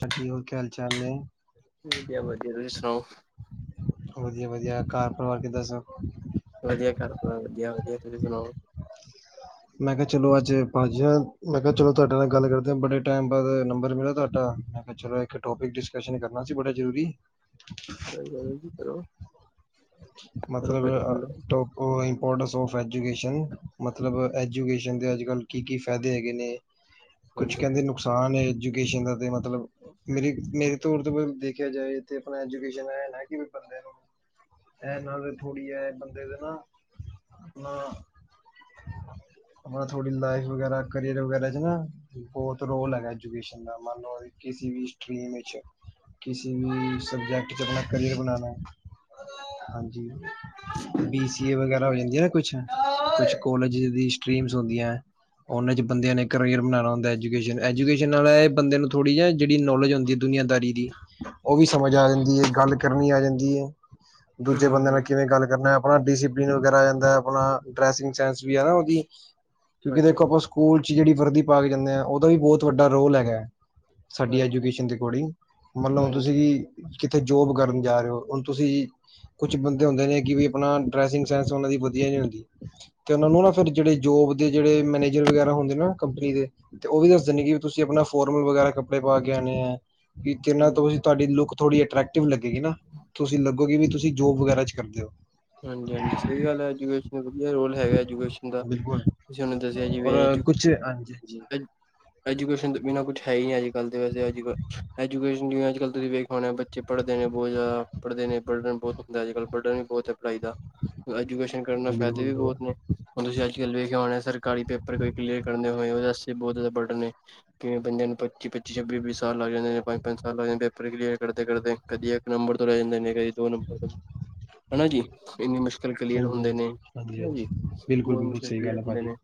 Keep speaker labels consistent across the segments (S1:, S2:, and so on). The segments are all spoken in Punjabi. S1: ਸਾਖੀਯੋ ਕਿਆ ਹਲਚਾਲ ਨੇ
S2: ਵਧੀਆ, ਵਧੀਆ ਤੁਸੀਂ ਸੁਣਾਓ?
S1: ਵਧੀਆ, ਵਧੀਆ ਘਰ ਪਰਿਵਾਰ ਕਿਦਾ ਸਬ
S2: ਵਧੀਆ ਘਰ ਪਰਿਵਾਰ ਵਧੀਆ। ਵਧੀਆ, ਵਧੀਆ ਤੁਸੀਂ ਸੁਣਾਓ?
S1: ਮੈਂ ਕਿਹਾ ਚਲੋ ਅੱਜ ਭਾਈਜਣ, ਮੈਂ ਕਿਹਾ ਚਲੋ ਤੁਹਾਡੇ ਨਾਲ ਗੱਲ ਕਰ। ਬੜੇ ਟਾਇਮ ਬਾਅਦ ਨੰਬਰ ਮਿਲਾ। ਤੁਹਾਡਾ ਮੈਂ ਕਿਹਾ ਚਲੋ। ਇੱਕ ਟੋਪਿਕ ਡਿਸਕਸ਼ਨ ਕਰਨਾ ਸੀ ਬੜਾ ਜਰੂਰੀ।
S2: ਸ ਗੱਲ ਕੀ ਕਰੋ [unintelligible] ਕਰੋ
S1: ਮਤਲਬ
S2: ਭਾਜੀ ਬੋਲੋ
S1: ਟੋਪ ਇੰਪੋਰਟੈਂਸ ਆਫ ਐਜੂਕੇਸ਼ਨ ਮਤਲਬ ਐਜੂਕੇਸ਼ਨ ਦੇ ਅੱਜ ਕੱਲ੍ਹ ਕੀ -ਕੀ ਫਾਇਦੇ ਹੈਗੇ ਨੇ? ਕੁਛ
S2: ਹਾਂਜੀ
S1: ਕਹਿੰਦੇ ਨੁਕਸਾਨ ਹੈ। ਐਜੂਕੇਸ਼ਨ ਦਾ ਤੇ ਮਤਲਬ- ਮੇਰੀ ਮੇਰੇ ਤੋਂ ਦੇਖਿਆ ਜਾਏ। ਆਪਣਾ ਐਜੂਕੇਸ਼ਨ ਹੈ ਨਾ। ਕਿ ਬੰਦੇ ਨੂੰ- ਇਹ ਨਾਲ ਥੋੜ੍ਹੀ ਹੈ। ਬੰਦੇ ਦੇ ਨਾ-ਨਾ ਆਪਣਾ ਥੋੜੀ ਲਾਈਫ ਵਗੈਰਾ, ਕਰੀਅਰ ਵਗੈਰਾ, ਚ ਨਾ ਬਹੁਤ ਰੋਲ ਹੈਗਾ। ਐਜੂਕੇਸ਼ਨ ਦਾ ਮਨ ਲੋ ਅਸੀਂ ਕਿਸੀ ਵੀ ਸਕੀਮ ਵਿਚ, ਕਿਸੀ ਵੀ ਸਬਜੈਕਟ ਵਿਚ ਆਪਣਾ ਕਰੀਅਰ ਬਣਾਣਾ। ਹਾਂਜੀ, ਬੀ ਸੀ ਏ ਵਗੈਰਾ ਹੋ ਜਾਂਦੀ ਆ ਨਾ ਕੁਛ ਕੁੱਛ ਕੌਲੇਜ ਦੀ ਸਟ੍ਰੀਮ੍ਸ ਹੁੰਦੀਆਂ। ਉਹਨਾਂ ਚ ਬੰਦਿਆਂ ਨੇ ਕਰੀਅਰ ਬਣਾਉਣਾ ਹੁੰਦਾ ਏ। ਐਜੂਕੇਸ਼ਨ, ਐਜੂਕੇਸ਼ਨ ਨਾਲ ਏ ਬੰਦੇ ਨੂੰ ਥੋੜੀ ਜਿਹੇ ਆ ਜਿਹੜੀ ਨੌਲਿਜ਼ ਹੁੰਦੀ ਦੁਨੀਆਂਦਾਰੀ ਦੀ, ਉਹ ਵੀ ਸਮਝ ਆ ਜਾਂਦੀ ਹੈ। ਗੱਲ ਕਰਨੀ ਆ ਜਾਂਦੀ ਹੈ। ਦੂਜੇ ਬੰਦੇ ਨਾਲ
S2: ਹੂੰ
S1: ਕਿਵੇਂ ਗੱਲ ਕਰਨਾ। ਆਪਣਾ ਡਸੀਪਲਿਨ ਵਗੈਰਾ ਆ ਜਾਂਦਾ ਹੈ। ਆਪਣਾ ਡੈਸਿੰਗ ਚੈਂਸ ਵੀ ਹੈ ਨਾ ਉਹਦੀ [unintelligible] ਕਿਉਂਕਿ।
S2: ਹਾਂਜੀ
S1: ਦੇਖੋ ਆਪਾਂ ਸਕੂਲ ਚ ਜਿਹੜੀ ਵਰਦੀ ਪਾ ਕੇ ਜਾਂਦੇ ਹਾਂ। ਉਹਦਾ ਵੀ ਬਹੁਤ ਵੱਡਾ ਰੋਲ ਹੈਗਾ ਹੈ।
S2: [inaudible]
S1: ਸਾਡੀ ਐਜੂਕੇਸ਼ਨ ਦੇ ਅਕੋਰਡਿੰਗ ਮਤਲਬ,
S2: ਹਾਂਜੀ
S1: ਤੁਸੀਂ ਕਿੱਥੇ ਜੋਬ ਕਰਨ ਜਾ ਰਹੇ ਹੋ? ਹੁਣ ਤੁਸੀ- ਕੁਛ ਬੰਦੇ ਹੁੰਦੇ ਨੇ ਕਿ ਆਪਣਾ ਡਰੈਸਿੰਗ ਸੈਂਸ ਉਹਨਾਂ ਦੀ ਵਧੀਆ ਨੀ ਹੁੰਦੀ।'ਤੇ ਉਹ ਨੂੰ ਨਾ ਫਿਰ- ਜਿਹੜੇ ਜੋਬ ਦੇ ਜਿਹੜੇ ਮੈਨੇਜਰ ਵਗੈਰਾ, ਹੁੰਦੇ ਨਾ ਕੰਪਨੀ ਦੇ 'ਤੇ ਉਹ ਵੀ ਦੱਸ ਦੇਣੀ। ਤੁਸੀਂ ਆਪਣਾ ਫੋਰਮਲ ਵਗ਼ੈਰਾ ਕੱਪੜੇ ਪਾ ਕੇ ਆਉਣੇ ਏ। ਕਿ ਜਿਨ੍ਹਾਂ
S2: ਹਾਂਜੀ
S1: ਥੋੜੀ ਚਤੁਹਾਡੀ ਲੁੱਕ ਥੋੜੀ ਅਟਰ੍ਰੈਕਟਿਵ ਲੱਗੇਗੀ। ਨਾ ਤੁਸੀਂ ਲੱਗੋਗੇ, ਵੀ ਤੁਸੀਂ ਜੋਬ ਵਗੈਰਾ ਚ ਕਰਦੇ ਹੋ।
S2: ਹਾਂਜੀ ਹਾਂਜੀ ਸਹੀ ਗੱਲ ਹੈ। ਐਜੂਕੇਸ਼ਨ ਵਧੀਆ ਰੋਲ ਹੈਗਾ ਐਜੂਕੇਸ਼ਨ ਹੁੰਦਾ।
S1: ਬਿਲਕੁਲ
S2: ਤੁਸੀਂ ਸਾਨੂੰ ਦੱਸਿਆ
S1: ਔਰ
S2: ਜਿਵੇਂ? ਐਜ
S1: ਕੁਛ ਹਾਂਜੀ ਹਾਂਜੀ
S2: ਐਜੂਕੇਸ਼ਨ ਬਿਨਾਂ ਕੁਛ ਹੈ। ਹੀ ਨਹੀਂ, ਐਅੱਜ ਕੱਲ੍ਹ ਦੇ ਵੈਸੇ ਅਜ ਐਜੂਕੇਸ਼ਨ ਜਿਵੇਂ ਐਜ ਅੱੱਲ ਤੁਸੀਂ ਵੇਖ ਪਾਉਣੇ ਓ। ਬੱਚੇ ਪੜ੍ਹਦੇ ਨੇ ਬਹੁਤ ਜ਼ਿਆਦਾ ਪੜ੍ਹਦੇ ਨੇ ।ਬਰਡਨ ਬਹੁਤ ਹੁੰਦਾ ਏ, ਅੱਜ ਕਲ ਬਰਡਨ ਵੀ ਬਹੁਤ ਹੈ। ਪੜ੍ਹਾਈ ਐਜੂਕੇਸ਼ਨ ਕਰਨ ਦਾ ਫਾਇਦੇ ਵੀ
S1: ਬਿਲਕੁਲ
S2: ਬਹੁਤ ਨੇ ਹੁਣ ਤੁਸੀਂ ਅੱਜ ਕੱਲ ਵੇਖਿਆ ਹੋਣਾ ਸਰਕਾਰੀ ਪੇਪਰ ਕੋਈ ਕਲੀਅਰ ਕਰਨਦੇ ਹੋਏ ਉਹਦੇਸ ਬਹੁਤ ਜ਼ਿਆਦਾ ਵੱਡ ਨੇ ਕਿਵੇਂ ਬੰਦਿਆਂ ਨੂੰ ਪੱਚੀੱਚ ਛੱਬੀ ਵੀਹ ਸਾਲ ਲੱਗ ਜਾਂਦੇ ਜਾਂ ਪੰਜ ਸਾਲ ਲਗ ਜਾਂਦੇ ਪੇਪਰ ਕਲੀਅਰ ਕਰਦੇ ਕਦੇ ਇੱਕ ਨੰਬ ਜ ਨੇ ਦੋ ਨੰਬਰ ਹਨਾ ਜੀ ਇੰਨੀ ਮੁਸ਼ਕਿਲ ਕਲੀਅਰ
S1: ਹਾਂਜੀ
S2: ਹੁੰਦੇ
S1: ਹਾਂਜੀ
S2: ਨੇ
S1: ਹਾਂਜੀ
S2: ਹਨ
S1: ਹਾਂਜੀ
S2: ਜੀ
S1: ਬਿਲਕੁਲ
S2: ਬਹੁਤ
S1: ਬਿਲਕੁਲ
S2: ਮੁਸ਼ਕਿਲ
S1: ਸਹੀ
S2: ਕਲੀਅਰ
S1: ਗੱਲ ਹੈ
S2: ਹੁੰਦੇ
S1: ਭਾਜੀ
S2: ਨੇ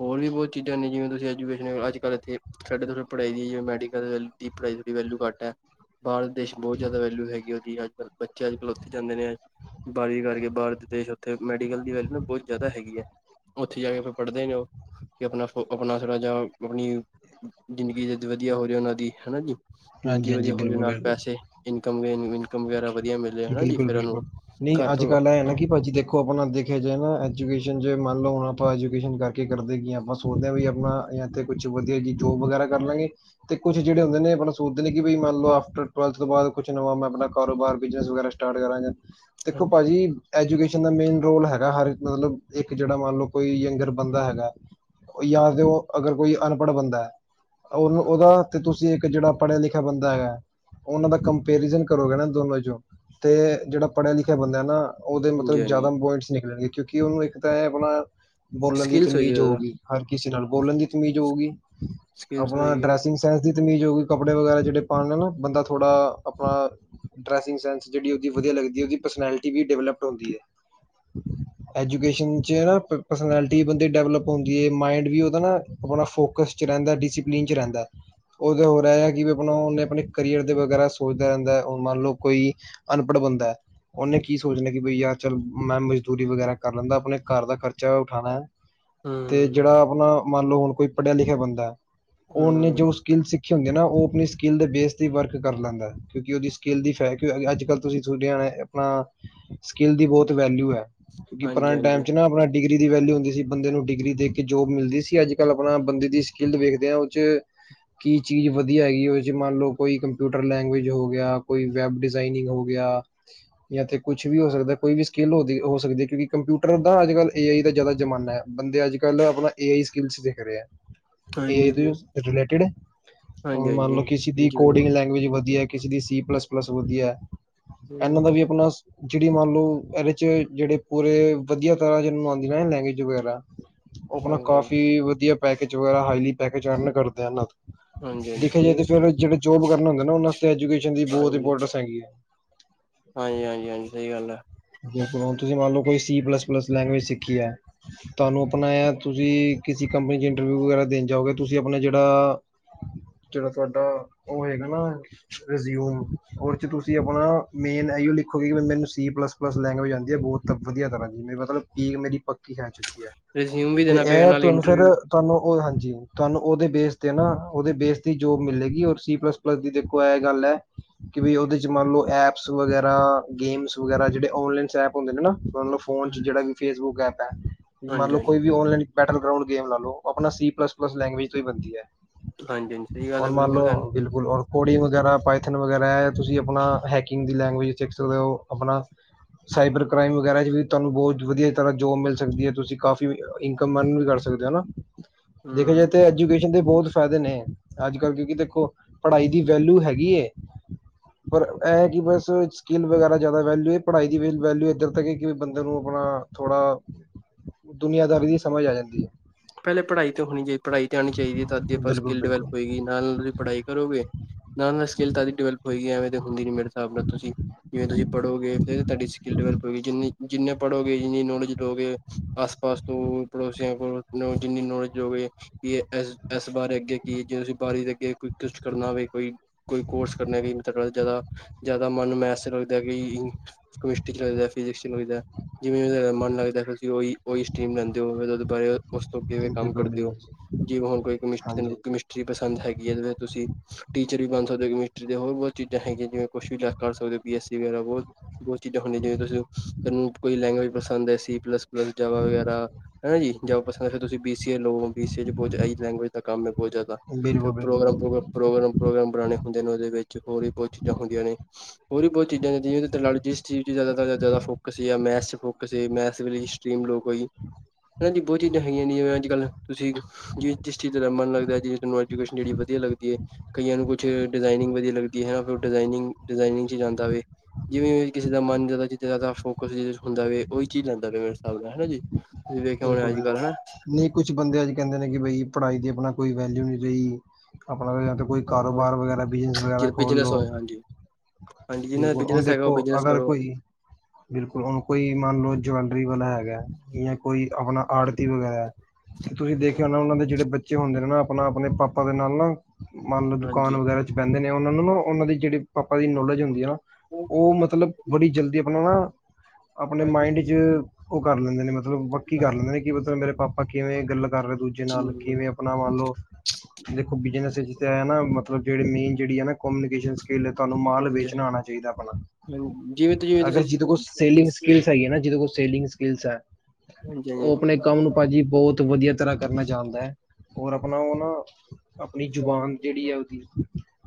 S2: ਹੋਰ ਵੀ ਬਹੁਤ ਚੀਜ਼ਾਂ ਨੇ ਜਿਵੇਂ ਤੁਸੀਂ ਐਜੂਕੇਸ਼ਨ ਅੱਜ ਕੱਲ ਇੱਥੇ ਸਾਡੇਥੋ੍ਹੀ ਪੜ੍ਹਾਈ ਦੀ ਮੈਡੀਕਲ ਦੀ ਪੜ੍ਹਾਈ ਦੀਥੋੜ੍ਹੀ ਵੈਲਿਊ ਘਟ ਹੈ ਭਾਰਤ ਦੇਸ਼ ਬਹੁਤ ਜ਼ਿਆਦਾ ਵੈਲਿਊ ਹੈਗੀ ਉਹਦੀ ਅੱਜ ਕੱਲ੍ਹ ਬੱਚੇ ਅੱਜ ਕੱਲ੍ਹ ਉੱਥੇ ਜਾਂਦੇ ਨੇ ਬੜ ਕਰਕੇ ਬਾਹਰ ਦੇਸ਼ ਉੱਥੇ ਮੈਡੀਕਲ ਦੀ ਵੈਲਿਊ ਨਾ ਬਹੁਤ ਜ਼ਿਆਦਾ ਹੈਗੀ ਹੈ ਉੱਥੇ ਜਾ ਕੇ ਫਿਰ ਪੜ੍ਹਦੇ ਨੇ ਉਹ ਕਿ ਆਪਣਾ ਆਪਣਾ ਥੋੜਾ ਜ ਆਪਣੀ ਜ਼ਿੰਦਗੀ ਜਦ ਵਧੀਆ ਹੋ ਰਿਹਾ ਉਹਨਾਂ ਦੀ ਹਨਾ ਜੀ
S1: ਹਾਂਜੀ
S2: ਕੀ
S1: ਹਾਂਜੀ
S2: ਵਧੀਆ ਹੋ ਜ
S1: ਬਿਲਕੁਲ
S2: ਨਾਲ
S1: ਬਿਲਕੁਲ
S2: ਪੈਸੇ ਇਨਕਮ ਇਨਕਮ ਵਗੈਰਾ ਵਧੀਆ ਮਿਲਲੇ ਹਨਾ ਜੀ
S1: ਬਿਲਕੁਲ
S2: ਫਿਰ ਉਹਨੂੰ
S1: ਬਿਲਕੁਲ ਨਹੀਂ
S2: ਘਰ
S1: ਅੱਜ
S2: ਪਰਿਵਾਰ
S1: ਕੱਲ ਇਹ ਨਾ ਕਿ ਭਾਜੀ ਦੇਖੋ ਆਪਣਾ ਦੇਖਿਆ ਜਾਏ ਨਾ ਐਜੂਕੇਸ਼ਨ ' ਮੰਨ ਲਓ ਹੁਣ ਆਪਾਂ ਐਜੂਕੇਸ਼ਨ ਕਰਕੇ ਕਰਦੇ ਕਿ ਹ ਆਪਾਂ ਸੋਚਦੇ ਹਾਂ ਵੀ ਆਪਣਾ ਜਾਂ ਇੱਥੇ ਕੁਛ ਵਧੀਆ ਜੀ ਜੋਬ ਵਗੈਰਾ ਕਰ ਲਾਂਗੇ ਤੇ ਕੁਛ ਜਿਹੜੇ ਹੁੰਦੇ ਨੇ ਆਪਣਾ ਸੋਚਦੇ ਨੇ ਕਿ ਮੰਨ ਲਓ ਆਫ ਟਵਲਥ ਤੋਂ ਬਾਅਦ ਕੁਛ ਨਵਾਂ ਮੈਂ ਆਪਣਾ ਕਾਰੋਬਾਰ ਬਿਜਨਸ ਵਗੈਰਾ ਸਟਾਰ ਕਰਾਂਗੇ ਦੇਖੋ ਭਾਜੀ ਐਜੂਕੇਸ਼ਨ ਦਾ ਮੇਨ ਰੋਲ ਹੈਗਾ ਹਰ ਮਤਲਬ ਇੱਕ ਜਿਹੜਾ ਮੰਨ ਲਓ ਕੋਈ ਯੰਗਰ ਬੰਦਾ ਹੈਗਾ ਜਾਂ ਤੇ
S2: ਹਾਂਜੀ।
S1: ਉਹ ਅਗਰ ਕੋਈ ਅਨਪੜ੍ਹ ਬੰਦਾ ਹੈ ਉਹਨੂੰ ਉਹਦਾ ਤੇ ਤੁਸੀਂ ਇੱਕ ਜਿਹੜਾ ਪੜ੍ਹਿਆ ਲਿਖਿਆ ਬੰਦਾ ਹੈਗਾ ਉਹਨਾਂ ਦਾ ਕੰਪੈਰੀਜਨ ਕਰੋਗਾ ਨਾ ਦੋਨਾਂੋ ਚੋਂ ਅਤੇ
S2: ਹਾਂਜੀ
S1: ਜਿਹੜਾ ਪੜ੍ਹਿਆ ਲਿਖਿਆ ਬੰ ਨਾ ਉਹਦੇ ਮਤਲਬ
S2: ਹਾਂਜੀ
S1: ਜਿਆਦਾ ਪੁਆਇੰਟਸ ਨਿਕਲਣਗੇ ਕਿਉਂਕਿ ਉਹਨੂੰ ਇੱਕ ਤਾਂ ਇਹ ਆਪਣਾ ਬੋਲਣ ਦੀ
S2: ਸਕਿੱਲਸ ਹੋਏਗੀ
S1: ਤਮੀਜ਼
S2: ਜ਼ਿਆਦਾ
S1: ਹੋਊਗੀ ਹਰ ਕਿਸੇ ਨਾਲ ਬੋਲਣ ਦੀ ਤਮੀਜ਼ ਹੋਊਗੀ
S2: ਸਕਿੱਲਸ
S1: ਆਪਣਾ
S2: ਹੋਏਗੀ
S1: ਡਰੈਸਿੰਗ ਸੈਂਸ ਦੀ ਤਮੀਜ਼ ਹੋ ਗਗੀ ਕੱਪੜੇ ਵਗੈਰਾ ਜਿਹੜੇ ਪਾਉਦੇ ਨਾ ਬੰਦਾਥੋੜਾ ਆਪਣਾ ਡਰੈਸ ਸਦੀ ਵਧਆ ਲ ਉਹਦੀ ਪਰਸਨੈਲਿਟੀ ਵੀ ਡਿਵੈਲਪ ਹੁੰਦੀ ਹੈ ਐਜੂਕੇਸ਼ਨ 'ਚ ਨਾ ਪਰਸਨੈਲਿਟੀ ਬੰਦੇ ਡਿਵਲਪ ਹੁੰ ਹੈ ਮਾਈਂਡ ਵੀ ਉਹਦਾ ਨਾ ਆਪਣਾ ਫੋਕਸਡ ਚ ਰਹਿੰਦਾ ਡਿਸਸੀਪਲਿਨ ਚ ਰਹਿੰਦਾ ਉਹ ਤਾਂ ਹੋ ਰਿਹਾ ਆ ਕਿ ਵੀ ਆਪ ਉਹਨੇ ਆਪਣੇ ਕਰੀਅਰ ਦੇ ਵਗੈਰਾ ਸੋਚਦਾ ਰਹਿੰਦਾ ਹੈ ਮੰਨ ਲਓ ਕੋਈ ਅਨਪੜ੍ਹ ਬੰਦਾ ਹੈ ਉਹਨੇ ਕੀ ਸੋਚਣਾ ਕਿ ਬਈ ਯਾਰ ਚੱਲ ਮੈਂ ਦੂਰੀ ਵਗੈਰਾ ਕਰ ਲੈਂਦਾ ਆਪਣੇ ਘਰ ਦਾ ਖਰਚਾ ਉਠਾਉਣਾ ਹੈ ਤੇ
S2: ਹਮ
S1: ਜਿਹੜਾ ਆਪਣਾ ਮੰਨ ਲਓ ਹੁਣ ਕੋਈ ਪੜ੍ਹਿਆ ਲਿਖਿਆ ਬਦਾ ਉਹਨੇ ਜੋ
S2: ਹਮ
S1: ਸਕਿੱਲ ਸਿੱਖੀ ਹੁੰਦੀ ਨਾ ਉਹ ਆਪਣੀ ਸਕਿੱਲ ਦੇ ਬੇਸ ਤੇ ਵਰਕ ਕਰ ਲੈਂਦਾ ਕਿਉਂਕਿ ਉਹਦੀ ਸਕਿੱਲ ਦੀ ਫੈ ਅੱਜ ਕੱਲ ਤੁਸੀਂ ਤੁਹਾਡੇ ਆਪਣਾ ਸਕਿੱਲ ਦੀ ਬਹੁਤ ਵੈਲਿਊ ਹੈ ਕਿਉਂਕਿ
S2: ਹਾਂਜੀ
S1: ਪੁਰਾਣੇ
S2: ਹਾਂਜੀ
S1: ਟਾਈਮ ਚ ਨਾ ਆਪਣਾ ਡਿਗਰੀ ਦੀ ਵੈਲਿਊੁੰ ਸੀ ਬੰਦੇ ਨੂੰ ਡਿਗਰੀ ਦੇ ਕੇ ਜੋਬ ਮਿਲਦੀ ਸੀ ਅੱਜ ਕੱਲ ਆਪਣਾ ਬੰਦੇ ਦੀ ਸਕਿੱਲ ਦੇੇਖਦੇ ਹ ਉਹ ਕੀ ਚੀਜ਼ ਵਧੀਆ ਹੈਗੀ ਉਹ ਚ ਮੰਨ ਲਓ ਕੋਈ ਕੰਪਿਊਟਰ ਲੈਂਗਏਜ ਹੋ ਗਿਆ ਕੋਈ ਵੈਬ ਡਿਜ਼ਾਇਨਿੰਗ ਹੋ ਗਿਆ ਜਾਂ ਤੇ ਕੁਛ ਵੀ ਹੋ ਸਕਦਾ ਕੋਈ ਵੀ ਸਕਿੱਲ ਹੋ ਹੋ ਸਕਦੀ ਹੈ ਕਿਉਂਕਿ ਕੰਪਿਊਟਰ ਦਾ ਅੱਜ ਕੱਲ੍ਹ ਏ ਆਈ ਦਾ ਜ਼ਿਆਦਾ ਜ਼ਮਾਨਾ ਹੈ ਬੰਦੇ ਅੱਜ ਕੱਲ੍ਹ ਆਪਣਾ ਏ ਆਈ ਸਕਲ ਦੇਖ ਰਹੇ
S2: ਹਾਂਜੀ
S1: ਇਹ
S2: ਹਾਂਜੀ
S1: ਰਿਲੇਟਿਡ
S2: ਹਾਂਜੀ
S1: ਮੰਨਲ
S2: ਹਾਂਜੀ
S1: ਕਿ ਦੀ
S2: ਹਾਂਜੀ
S1: ਕੋਡਿੰਗ ਲਗੁਜ ਵਧੀਆ ਕਿਸੇ ਦੀ ਸੀ ਪਲੱਸ ਪਲੱਸ ਹੋਦੀ ਹੈ
S2: ਹਮ
S1: ਇਹਨਾਂ ਦਾ ਵੀ ਆਪਣਾ ਜਿਹੜੀ ਮੰਨ ਲਓ ਇਹਦੇ ਚ ਜਿਹੜੇ ਪੂਰੇ ਵਧੀਆ ਤਰ੍ਹਾਂ ਨੂੰ ਆਉਂਦੀ ਨਾ ਲੈਂਗੁਜ ਉਹ ਆਪਣਾ ਕਾਫੀ ਵਧੀਆ ਪੈਕੇ ਵਰਾ ਹਲੀ ਪੈ ਅਰਨ ਕਰਦੇ ਹਨ
S2: ਹਾਂਜੀ
S1: ਦੇਖਿਆ ਜਾਏ
S2: ਸਹੀ
S1: ਤਾਂ ਫਿਰ ਜਿਹੜੇ ਜੋਬ ਕਰਨਾ ਹੁੰਦਾ ਨਾ ਉਹਨਾਂਤੇ ਐਜੂਕੇਸ਼ਨ ਦੀ ਬਹੁਤ
S2: ਹਾਂਜੀ
S1: ਇੰਪੋਰਟੈਂਸ ਹੈਗੀ ਹੈ
S2: ਹਾਂਜੀ ਹਾਂਜੀ ਹਾਂਜੀ ਸਹੀ ਗੱਲ ਹੈ
S1: ਹੁਣ ਤੁਸੀਂ ਮੰਨ ਲਓ ਕੋਈ ਸੀ ਪਲੱਸ ਪਲੱਸ ਲੈਂਗੁਏਜ ਸਿੱਖੀ ਹੈ ਤੁਹਾਨੂੰ ਅਪਣਾ ਤੁਸੀਂ ਕਿਸੇ ਕੰਪਨੀ ਚ ਇੰਟਰਵਿਊ ਵਗੈਰਾ ਦੇਣ ਜਾਓਗੇ ਤੁਸੀਂ ਆਪਣਾ ਜਿਹੜਾ
S2: ਹ
S1: ਜਿਹੜਾ ਤੁਹਾਡਾ ਉਹ ਹੈਗਾ ਨਾ ਰਿਜ਼ਿਊਮ ਰ ਤੁਸੀਂ ਆਪਣਾ ਮੇਨ ਇਓ ਲਿਖੋਗੇ ਮੈਨੂੰ ਪਲੱਸ ਪਲੱਸ ਲੈਂਗੁਜ ਆਉਂਦੀ ਹੈ ਬਹੁਤ ਵਧੀਆ ਤਰ੍ਹਾਂ ਦੀ ਮ ਮਤਲਬੀ ਮੇਰੀ ਕੀ ਖ ਚੁੱਕੀ ਹੈ
S2: ਰਿਜ਼ਿਊਮ ਵੀ
S1: ਤੇ
S2: ਦੇਣਾ ਪਏਗਾ
S1: ਇਹ
S2: ਨਾਲ
S1: ਤੁਹਾਨੂੰ ਫਿਰ
S2: ਇੰਟਰਵਿਊ
S1: ਤੁਹਾਨੂੰ ਉਹ ਹਾਂਜੀ ਤੁਹਾਨੂੰ ਉਹਦੇ ਬੇਸ ਤੇ ਨਾ ਉਹਦੇ ਬੇਸ ਦੀ ਜੋਬ ਮਿਲੇਗੀ ਰ ਸੀ ਪਲੱਸ ਪਲੱਸ ਦੀ ਦੇਖੋ ਇਹ ਗੱਲ ਹੈ ਕਿ ਬ ਉਹਦੇ ਮੰਨ ਲਓ ਐਪਸ ਵਗੈਰਾ ਗੇਮਸ ਵਗੈਰਾ ਜਿਹੜੇ ਔਨਲਾਈਨ ਸਪ ਹੁੰਦੇਤਲਬ ਫੋਨ ਚ ਜਿਹੜਾ ਵੀ ਫੇਸਬੁਕ ਐਪ ਹੈ
S2: ਹਾਂਜੀ
S1: ਮਤਲਬ
S2: ਹਾਂਜੀ
S1: ਕੋਈ ਵੀ ਨਲਾਈਨ ਬੈਟਲ ਗਂ ਗੇਮ ਲਾ ਲਓ ਉਹ ਆਪਣਾ ਸੀ ਪਲੱਸ ਪਲੱਸ ਲੈਂਗੁਏਜ ਤੋਂ ਹੀ ਬਣਦੀ ਹੈ
S2: ਹਾਂਜੀ ਹਾਂਜੀ ਸਹੀ ਗੱਲ
S1: ਔਰ
S2: ਹੈ
S1: ਮਨ
S2: ਬਿਲਕੁਲ
S1: ਲੋ ਬਿਲਕੁਲ ਔਰ ਕੋੜੀ ਵਗੈਰਾ ਪਾਈਥਨ ਵਗੈਰਾ ਤੁਸੀਂ ਆਪਣਾ ਹੈਕਿੰਗ ਦੀ ਲੈਂਗਏਜ ਸਿੱਖ ਸਕਦੇ ਹੋ ਆਪਣਾ ਸਾਈਬਰ ਕ੍ਰਾਈਮ ਵਗੈਰਾ ਚ ਵੀ ਤੁਹਾਨੂੰ ਬਹੁਤ ਵਧੀਆ ਤਰ੍ਹਾਂ ਜੋਬ ਮਿਲ ਸਕਦੀ ਹੈ ਤੁਸੀਂ ਕਾਫੀ ਇਨਕਮ ਅਰਨ ਵੀ ਕਰ ਸਕਦੇ ਹੋ
S2: ਹ
S1: ਦੇਖਿਆ ਜਾਏ ਤਾਂ ਐਜੂਕੇਸ਼ਨ ਦੇ ਬਹੁਤ ਫਾਇਦੇ ਨੇ ਅੱਜ ਕੱਲ ਕਿਉਂਕਿ ਦੇਖੋ ਪੜ੍ਹਾਈ ਦੀ ਵੈਲੂ ਹੈਗੀ ਪਰ ਇਹ ਕਿ ਬਸ ਸਕਿੱਲ ਵਗੈਰਾ ਜ਼ਿਆਦਾ ਵੈਲਊ ਹੈ ਪੜ੍ਹਾਈ ਦੀ ਵੈਲਊ ਇੱਧਰ ਤੱਕ ਕਿ ਬੰਦੇ ਨੂੰ ਆਪਣਾ ਥੋੜਾ ਦੁਨੀਆਂ ਦਾਰ
S2: ਹਮ
S1: ਦੀ ਸਮਝ ਆ ਜਾਂਦੀ ਹੈ
S2: ਪਹਿਲੇ ਪੜ੍ਹਾਈ ਤੇ ਹੋਣੀ ਚਾਹੀ ਪੜ੍ਹਾਈ ਤੇ ਆਣੀ ਚਾਹੀਦੀ ਹੈ ਤਦੀ ਆਪਾਂ
S1: ਬਿਲਕੁਲ
S2: ਸਕਿੱਲ ਡਿਵੈਲਪ
S1: ਬਿਲਕੁਲ
S2: ਹੋਏਗੀ ਨਾਲ ਤੁਸੀਂ ਪੜ੍ਹਾਈ ਕਰੋਗੇ ਨ ਸਕੇਲ ਤਾਂ ਦੀ ਡਿਵਲ ਹੋਏਗੀ ਐਵੇਂ ਤੇ ਹੁੰਦੀ ਨੀ ਮੇਰੇ ਹਿਸਾਬ ਨਾਲ ਤੁਸੀਂ ਜਿਵੇ ਤੁਸੀਂ ਪੜ੍ਹੋਗੇ ਫਰ ਤੁਹਾਡੀ ਸਕਿੱਲ ਡਿਵੈਲਪ ਹੋਏਗੀ ਜਿੰ ਜਿੰਨ ਪੜੋਗੇ ਜ ਨੋੜ ਗੇ ਆਸ ਪਾਸ ਤੋਂ ਪੜੋਸੀਆਂ ਕੋਲ ਜਿੰਨੀ ਨੌਲੇਜ ਹੋ ਗ ਇਹ ਇਸ ਇਸ ਬਾਰੇ ਅੱਗੇ ਕੀ ਜੇ ਤੁਸੀਂ ਬਾਰੀ ਦੇ ਅੱਗੇ ਕੋਈ ਕੁਛ ਕਰਨਾ ਹੋਵੇ ਕੋਈ ਕੋਈ ਕੋਰਸ ਕਰ ਜਿਆਦਾ ਜਿਆਦਾ ਮਨ ਨੂੰ ਮੈਸੇ ਲੱਗਦਾ ਕਿ ਕੈਮਿਸਟਰੀ ਚ ਲੱਗਦਾ ਫਿਜਿਕਸ ਚ ਲੱਗਦਾ ਜਿਵੇਂ ਜਿ ਮਨ ਲੱਗਦਾਹੀ ਉਹੀ ਸਟੀਮ ਲੈਂਦੇ ਹੋ ਬਾਰੇ ਉਸ ਤੋਂ ਅੱਗੇਂ ਕੰਮ
S1: ਬਿਲਕੁਲ
S2: ਕਰਦੇ ਹੋ
S1: ਬਿਲਕੁਲ
S2: ਜੀ ਹੁਣ ਕੋਈ ਕਮਿਸਟਰੀ
S1: ਹਾਂਜੀ
S2: ਤੈੂੰ
S1: ਹਾਂਜੀ,
S2: ਕਮਿਸਟਰੀ ਪਸੰਦ ਹੈਗੀ ਹੈ ਤੁਸੀਂ ਟੀਚਰ ਵੀ ਬਣ ਸਕਦੇ ਹੋ ਕਮਿਸਟਰੀ ਦੇ ਹੋਰ ਬਹੁਤ ਚੀਜ਼ਾਂ ਹੈਗੀਆਂ ਜਿਵੇਂ ਕੁਛ ਵੀ ਕਰ ਸਕਦੇ ਹੋ ਬੀ ਐੱਸ ਸੀ ਵਗੈਰਾ ਬਹੁਤ ਬਹੁਤ ਚੀਜ਼ਾਂ ਹੁੰਦੀਆਂ ਜਿਵੇਂ ਤੁਸੀਂ ਤੁੂੰ ਕੋਈ ਲ ਵੀ ਪਸੰਦ ਹੈ ਸੀ ਪਲੱਸ ਜਗਾ ਵਗੈਰਾ ਹੈਾ ਜੀ ਜਗਬ ਪਸੰਦ ਫਿਰ ਤੁਸੀ ਬੀ ਸੀ ਏ ਲਓ ਬੀ ਸੀ ਏ ਚ ਬਹੁਤ ਇਹੀ ਲੈਂਗੁਏਜ ਦਾ ਕੰਮ ਹੈ ਹੋਹੁਤ ਜ਼ਿਆਦਾ ਫ
S1: ਬਿਲਕੁਲ ਬਿਲਕੁਲ
S2: ਪ੍ਰੋਗਰਾਮੋਗਰਾ ਪ੍ਰੋਗਰਾਮ ਪ੍ਰੋਗਰਾਮ ਬਣਾਉਣੇ ਹੁੰਦੇ ਨੇ ਉਹਦੇ ਵਿੱਚ ਹੋਰ ਵੀ ਬਹੁਤ ਚੀਜ਼ਾਂ ਹੁੰਦੀਆਂ ਨੇ ਹੋਰ ਵੀ ਬਹੁਤ ਚੀਜ਼ਾਂ ਜਦੀਿ ਜਿਸ ਚੀਜ਼ ਜ਼ਿਆਦਾ ਜ਼ਿਆਦਾ ਫੋਕਸ ਸੀ ਮੈਥ ਚ ਫੋਕਸ ਸੀ ਮੈਥ ਸਟਰੀਮ ਲੋਕ ਕੋਈ ਹਨਾ ਜੀ ਬਹੁਤੀਾਂ ਹੈਗੀਆਂ ਜਿਵੇਂ ਅੱਜ ਕੱਲ੍ਹ ਤੁਸੀਂ ਜਿਂ ਜਿਸ ਚੀਜ਼ਾਂ ਦਾ ਮਨ ਲੱਗਦਾ ਜਿਵੇਂ ਤੁਹਾਨੂੰਜਕੇਸ਼ਨ ਜਿਹੜੀ ਵਧੀਆ ਲੱਦੀਏ ਕਈਆਂ ਨੂੰ ਕੁਛ ਡਿਜ਼ਾਇਨਿੰਗ ਵਧੀਆ ਲੱਗ ਉਹ ਡਿਿੰਗ ਡਿਾਇਨਿੰਗ ਚ ਜਾਂਦਾ ਹੋਵੇ ਜਿਵੇਂ ਕਿਸੇ ਦਾ ਮਨ ਫੋਕਸ ਹੁੰਦਾ ਵਵੇ ਉਹੀ ਚੀਜ਼ ਲੈਂਦਾਵੇ ਮੇਰੇਿਸਾਬ ਨਾਲ ਹੈਾ ਜੀ ਤੁਸੀਂ ਵੇਖਿਆ ਹੋਣਾ
S1: ਬਿਲਕੁਲ
S2: ਅੱਜ
S1: ਬਿਲਕੁਲ
S2: ਕੱਲ੍ਹ
S1: ਨਹੀਂ ਕੁੱਛ ਬੰਦੇ ਅੱਜ ਕਹਿੰਦੇ ਨੇ ਕਿ ਬਈ ਪੜ੍ਹਾਈ ਦੇ ਆਪਣਾ ਕੋਈ ਵੈਲਿਊ ਨਹੀਂ ਰਹੀ ਜਾਂ ਕੋਈ
S2: ਹਨਾ
S1: ਕਾਰੋਬਾਰ ਵਗੈਰਾ ਬਿਜਨਸ ਵਗੈਰਾ
S2: ਜ ਬਿਜਨਸ
S1: ਖੋਲਲੋ
S2: ਹੋਇਆ ਹਾਂਜੀ ਹਾਂਜੀ ਜਿਹਨਾਂ ਦਾ
S1: ਬਿਲਕੁਲ ਹੁਣ
S2: ਬਿਜਨਸ ਹੈਗਾ ਉਹ
S1: ਦੇਖੋ
S2: ਬਿਜਨਸ
S1: ਅਗਰ
S2: ਕਰੋ
S1: ਕੋਈ ਬਿਲਕੁਲ ਉਹਨੂੰ ਕੋਈ ਮੰਨ ਲਓ ਜਵੈਲਰੀ ਵਾਲਾ ਹੈਗਾ ਜ ਕੋਈ ਆਪਣਾ ਆੜਤੀ ਵਗੈਰਾ ਤੇ ਤੁਸੀਂ ਦੇਖਿਆ ਹੋ ਨਾ ਉਹਨਾਂ ਦੇ ਜਿਹੜੇ ਬੱਚੇ ਹੁੰਦੇ ਨੇ ਨਾ ਆਪਣਾ ਆਪਣੇ ਪਾਪਾ ਦੇ ਨਾਲ ਨਾ ਮੰਨ ਲਓ ਦੁਕਾਨ
S2: ਹਾਂਜੀ
S1: ਵਗੈਰਾ ਚ ਪਹਿੰਦੇ ਨੇ ਉਹਨਾਂ ਨੂੰ ਉਹਨਾਂ ਦੀ ਜਿਹੜੀ ਪਾਪਾ ਦੀ ਨੌਲੇਜ ਹੁੰਦੀ ਆ ਨਾ ਉਹ ਮਤਲਬ ਬੜੀ ਜਲਦੀ ਆਪਣਾ ਨਾ ਆਪਣੇ
S2: ਜੀ
S1: ਮਾਇੰਡ ਚ ਉਹ ਕਰ ਲੈਂਦੇ ਨੇ ਮਤਲਬ ਵੱਕੀ ਕਰ ਲੈਂਦੇ ਨੇ ਕਿ ਮਤਲਬ ਮੇਰੇ ਪਾਪਾ ਆਪਾਂ ਕਿਵੇਂ ਗੱਲ ਕਰ ਰਹੇ ਦੂਜੇ ਨਾਲ ਕਿਵੇਂ ਆਪਣਾ ਮੰਨ ਲਓ ਦੇਖੋ ਬਿਜਨਸ ਮਤਲਬ ਜਿਹੜ ਮੇਨ ਜਿਹੜ ਨਾਨੀਕੇ ਕੇਲੇ ਤੁਹਾਨੂੰ ਮਾਲ
S2: ਹਾਂਜੀ
S1: ਵੇਚਣਾ ਆਉਣਾ ਚਾਹੀਦਾ ਆਪਣਾ
S2: ਜਿਵੇਂ ਜਿਵੇਂ
S1: ਅਗਰ
S2: ਤੁਸੀਂ
S1: ਜਿਤ ਕੋ
S2: ਹਾਂਜੀ
S1: ਸੇਲਿੰਗ ਸਕਕਿਲਸ ਹੈ ਹੈ ਨਾ ਜਿ ਕੋ ਸੇਲਿੰਗ ਸਕਕਿਲਸ ਹੈ ਉਹ ਆਪਣੇ ਕੰਮ ਨੂੰ
S2: ਹਾਂਜੀ
S1: ਭਾਜੀ ਬਹੁਤ ਵਧੀਆ ਤਰ੍ਹਾਂ ਕਰਨਾ ਚਾਹੁੰਦਾ ਹੈ ਹੋਰ ਆਪਣਾ ਉਹ ਨਾ ਆਪਣੀ ਜ਼ੁਬਾਨ ਜਿਹੜੀ ਹੈ ਉਹਦੀ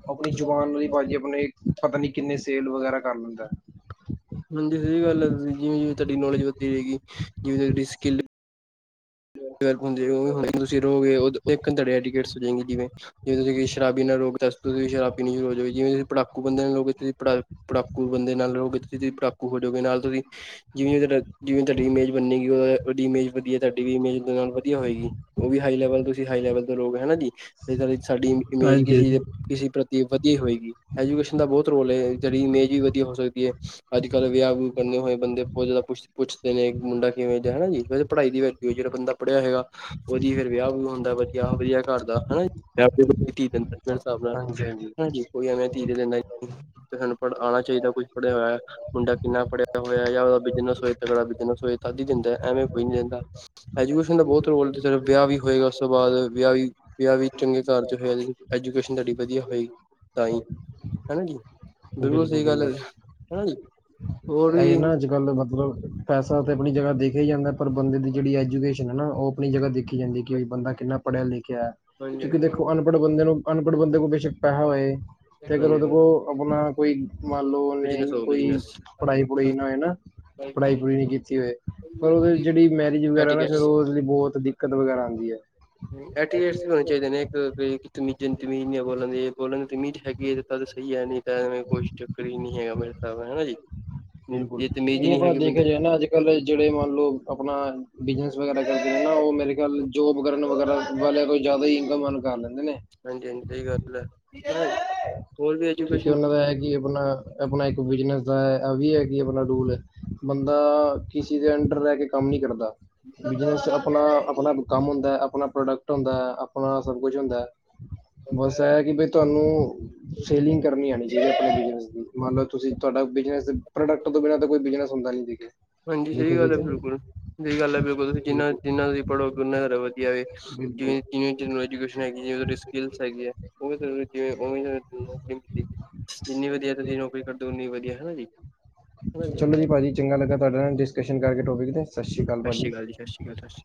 S1: ਆਪਣੀ ਜ਼ੁਬਾਨ ਉਹਦੀ ਬਾਾਜੀ ਆਪਣੇ ਪਤਾ ਨੀ ਕਿੰਨੇ ਸੇਲ ਵਗੈਰਾ ਕਰ ਲੈਂਦਾ ਹੈ
S2: ਹਾਂਜੀ ਸਹੀ ਗੱਲ ਹੈ ਤੁਸੀਂ ਜਿਵੇਂ ਜਿਵੇਂ ਤੁਹਾਡੀ ਨੌਲੇਜ ਵਧਦੀ ਰਹੇਗੀ ਜਿਵੇਂ ਤੁਹਾਡੀ ਸਕਿੱਲ ਤੁਸੀਂ ਰੋਗੇ ਘਡੀ ਜਿਵੇਂ ਜਿਵੇਂ ਤੁਸੀਂ ਸ਼ਰਾਬੀ ਨਾਲ ਰੋ ਸੀਂ ਸ਼ਰਾਬ ਪੀਣੀ ਸ਼ੁਰੂ ਹੋ ਜਾਵੇ ਜਿਵੇਂਸੀਂ ਪੜਾਕੂ ਬੰਦੇ ਨਾਲ ਲੋਕ ਇੱਥੇ ਪ ਪੜਾਕੂੰਦੇ ਨਾਲ ਲੋਕ ਇੱਥੇਸੀਂ ਚਕੂ ਹੋ ਜਾੂਗੀ ਨਾਲ ਤੁਸੀਂ ਜਿਵੇਂ ਤੁ ਜਿਵੇਂ ਤੁਹਾਡੀ ਇਮੇਜ ਬੰਨੇਗੀ ਉਹਡੀ ਇਮੇਜ ਵਧੀਆ ਤੁਹਾਡੀ ਵੀ ਇੇਜ ਵਧੀਆ ਹੋਏਗੀ ਉਹ ਵੀ ਹਾਈ ਲੈਵਲ ਤੋਂ ਤੁਸੀਂ ਹਾਈ ਲੈਵਲ ਤੋਂ ਲੋਕ ਹਨਾ ਜੀ ਸਾਡੀ ਇਮੇਜ ਕੀ
S1: ਹਾਂਜੀ
S2: ਸੀ
S1: ਹਾਂਜੀ
S2: ਕਿਸੇ ਪ੍ਰਤੀ ਵਧੀਆ ਹੀ ਹੋਏਗੀ ਐਜੂਕੇਸ਼ਨ ਦਾ ਬਹੁਤ ਰੋਲ ਹੈ ਜਿਹੜੀ ਇਮੇਜ ਵੀ ਵਧੀਆ ਹੋ ਸਕਦੀ ਹੈ ਅੱਜ ਵਿਆਹ ਵਿਹ ਕਰਨੇ ਹੋਏ ਬੰਦੇ ਬਹੁ ਪੁੱਛ ਪੁੱਛਦੇ ਨੇ ਕਿੰਡਾ ਕਿਵੇਂ ਜਾਂ ਹੈ ਹਨ ਜੀੇ ਪੜਾਈ ਦੀ ਵਰਤੀ ਹੋ ਜਿਹੜਾ ਬੰਦਾ ਪੜ੍ਹਿਆ ਹੈਗਾ ਉਹਦੀ ਫੇਿਰ ਵਿਆਹ ਵਿਹ ਹੁੰਦਾ ਵਧੀਆ ਉਹ ਵਧੀਆ ਘਰਦਾ ਹਨਾ ਵਿਹ ਦਿੰਦਾ ਮੇਰੇ ਹਿਸਾਬ ਨਾਲ ਹਾਂਜੀ ਕੋਈ ਆ ਮੈਂ ਧੀਜ ਲੈਂਦਾਾਨੂੰ ਪੜ੍ਹ ਆਉਣਾ ਚਾਹੀਦਾ ਕੁਛ ਫੜਿਆ ਹੋਇਆ ਮੁੰਡਾ ਕਿੰਨਾ ਫੜਿਆ ਹੋਇਆ ਜਾਂ ਉਹਦਾ ਬਿਜਨਸ ਹੋਏ ਤਗੜਾ ਬਿਜਨਸ ਹੋਏ ਤ ਹੀ ਦਿੰਦਾ ਐਵੇਂ ਕੋਈ ਨੀ ਰਹਿੰਦਾ ਐਜੂਕੇਸ਼ਨ ਦਾ ਬਹੁਤ ਰੋਲ ਸਫ ਵਿਆਹ ਵੀ ਹੋਏਗਾ ਉਸ ਤੋਂ ਬਾਅਦ ਵਿਆਹ ਵੀ ਵਿਆਹ ਵੀ ਚੰਗੇ ਕਾਰਰ ਚ ਹੋਇਆ ਜਜੂ ਤੁਹਾਡੀ ਵਧੀਆ ਹੋਏਗੀ ਤਾਂ ਹੀ ਹਨਾ ਜੀ ਬਿਲਕੁਲ ਸਹੀ ਗੱਲ ਹੈ ਹੈਾ ਜੀ ਹੋਰ
S1: ਇਹ
S2: ਵੀ
S1: ਨਾ ਅੱਜ ਕੱਲ ਮਤਲਬ ਪੈਸਾ ਤੇ ਆਪਣੀ ਜਗ੍ਹਾ ਦੇਖਿਆ ਹੀ ਜਾਂਦਾ ਪਰ ਬੰਦੇ ਦੀ ਜਿਹੜੀ ਐਡਕੇਸ਼ਨ ਹੈ ਨਾ ਉਹ ਆਪ ਜ੍ਹਾਖੀ ਜਾਂਦੀ ਕਿ ਬੰ ਕਿਨਾ ਪੜ੍ਹਿਆ ਲਿਖਿਆ ਕਿਆ
S2: ਹਾਂਜੀ
S1: ਕਿਉਂਕਿ ਦੇਖੋ ਅਨਪੜ੍ਹ ਬੰਦੇ ਨੂੰ ਅਨਪੜ੍ਹ ਬੰਦੇ ਕੋਲ ਬੇਸ਼ੱਕ ਪੈਸਾ ਹੋਏ ਤੇ ਕਰੋ ਦੇਖੋ ਆਪਣਾ ਕੋਈ ਮੰਨ ਲੋਓ
S2: ਬਿਜਨਸ
S1: ਨਹੀਂ
S2: ਹੋ
S1: ਕੋਈ
S2: ਬਿਜਨਸ
S1: ਹੈ ਨਾ ਪੜ੍ਹਾਈ ਪੜਰੀ ਨਹੀਂ ਕੀਤੀ ਹੋਏ ਪਰ ਉਹਦੇ ਜਿਹੜੀ ਮੈਰਿਜ ਵਗੈਰਾ ਨਾ
S2: ਐਟੀਕੇਟਸ
S1: ਫੇਿਰ ਉਹ ਲਈ ਬਹੁਤ ਦਿੱਤ ਦਿੱਕਤ ਵਗੈਰਾ ਆਉਂਦੀ ਹੈ
S2: ਵੀ ਹੋਣੇ ਚਾਹੀਦੇ ਨੇ ਬੋਲਣ ਬੋਲਣਮੀਜ਼ ਹੈਗੀ ਹੈ ਤ ਸਹੀ ਯ ਨਹੀਂ ਤਾਂ ਕੁਛ ਚੱਕਰ ਹੀ ਨ ਨਹੀਂੀ ਹੈਗਾ ਮੇਰੇ ਹਿਸਾਬ ਨਾਲ ਹਨਾ ਜੀ
S1: ਬਿਲਕੁਲ
S2: ਜੇ ਤਮੀਜ਼
S1: ਨਹੀਂ ਆਪਣਾ
S2: ਹੈਗੀ ਬੰਦੇ
S1: ਦੇਖਿਆ ਜਾਏ ਨਾ ਅੱਜ ਕੱਲ ਜਿਹੜੇ ਮੰਨ ਲਓ ਆਪਣਾ ਬਿਜਨਸ ਵਗੈਰਾ ਕਰਦੇ ਨੇ ਨਾ ਉਹ ਮੇਰੇ ਖਿਆਲ
S2: ਹਾਂਜੀ
S1: ਜੋਬ ਕਰਨ ਵਗੈਰਾ ਵਾਲਿਆਂ ਕੋਈ ਜ਼ਿਆਦਾ ਹੀ ਇਨਕਮ ਕਰ ਲਦਾ
S2: ਹਾਂਜੀ ਹਾਂਜੀ ਸਹੀ ਗੱਲ ਹੈ ਹੋਰ ਵੀ
S1: ਕਿਉਂਕਿ
S2: ਐਜੂਕੇਸ਼ਨ
S1: ਉਹਨਾਂ ਦਾ ਹੈ ਕਿ ਆਪਣਾ ਆਪਣਾ ਇੱਕ ਬਿਜਨਸ ਦਾ ਹੈ ਵੀ ਹੈਗੀ ਆਪਣਾ ਰੂਲ ਬੰਦਾ ਕਿਸੇ ਦੇ ਅੰਡਰ ਰਹਿ ਕੇ ਕੰਮ ਨੀ ਕਰਦਾ ਬਿਜਨਸ ਚ ਆਪਣਾ ਆਪਣਾ ਕੰਮ ਹਦਾ ਹੈ ਆਪਣਾ ਪ੍ਰੋਡਕਟ ਹਦਾ ਆਪਣਾ ਸਭ ਕੁਛ ਹਦਾ ਹੈ ਬਸ ਇਹ ਕਿ ਬ ਤੁਹਾਨੂੰ ਸੇਲਿੰਗ ਕਰਨੀ ਆਉਣੀ ਚਾਹੀਦੀ ਆਪਣੇ ਬਿਜਨ ਦੀ ਮੰਨ ਲਓ ਤੁਸੀਂ ਬਿਜਨ ਪ੍ਰੋਡਕਟ ਤੋਂ ਬਿਨਾਂ ਕੋਈ ਬਿਜਨਸ ਹੁੰਦਾ ਨੀ ਸੀਗਾ
S2: ਹਾਂਜੀ ਸਹੀ ਗੱਲ ਹੈ ਬਿਲਕੁਲ ਸਹੀ ਗੱਲ ਹੈ ਬਿਲਕੁਲ ਤੁਸੀਂ ਜਿੰਨਾ ਜਿਨਾ ਤੁਸੀਂ ਪੜ੍ਹੋ ਉਹਨਾਂ ਕਰੋ ਵਧੀਆ ਵ
S1: ਬਿਲਕੁਲ।
S2: ਜਿਵੇਂ ਜਿਜੂਕੇਸ਼ਨ ਹੈਗੀ ਜਿਵੇਂ ਤੁਹਾਡੀ ਸਕਿਲ ਹੈਗੀ ਹੈਰੀ ਜਿੰਨੀ ਵਧੀਆ ਤੁਸੀਂ ਨੌਕਰੀ ਕਰਦੇਓ ਉਨੀ ਵਧੀਆ ਹਨਾ ਜੀ
S1: ਚਲੋ ਜੀ
S2: ਸਤਿ
S1: ਭਾਜੀ ਚੰਗਾ ਲੱਗਾ ਤੁਹਾਡੇ ਨਾਲ ਡਿਸਕਸ਼ਨ ਕਰਕੇ ਟੋਪਿਕ ਤੇ ਸਤਿ ਸ਼੍ਰੀ ਅਕਾਲ ਭਾਜੀ
S2: ਜੀ ਸਤਿ ਸ਼੍ਰੀ ਅਕਾਲ ਸਤਿ ਸ਼੍ਰੀ ਅਕਾਲ